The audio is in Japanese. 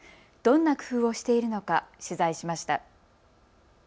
どんな工夫をしているのか取材しました。